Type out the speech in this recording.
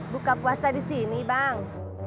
buka puasa di sini bang